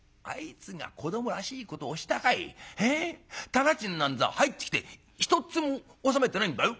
店賃なんざ入ってきてひとっつも納めてないんだよ。